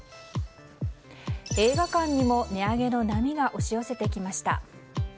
映画館にも値上げの波が押し寄せてきました。